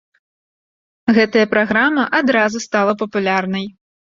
Гэтая праграма адразу стала папулярнай.